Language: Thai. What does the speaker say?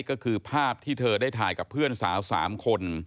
ก็คือภาพที่เธอได้ถ่ายกับเพื่อนสาว๓คน